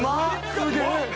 すげえ！